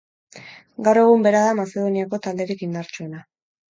Gaur egun bera da Mazedoniako talderik indartsuena.